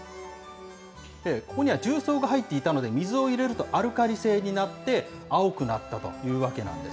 ここには重曹が入っていたので水を入れるとアルカリ性になって青くなったというわけなんです。